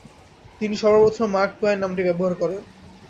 তিনি সর্বপ্রথম "Mark Twain" নামটি ব্যবহার করেন।